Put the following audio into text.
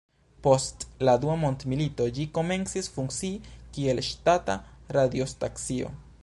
Post la Dua Mondmilito ĝi komencis funkcii kiel ŝtata radiostacio.